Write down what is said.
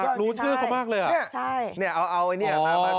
อยากรู้ชื่อเขามากเลยอ่ะ